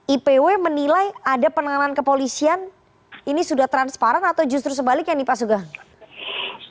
ipw menilai ada penanganan kepolisian ini sudah transparan atau justru sebaliknya nih pak sugeng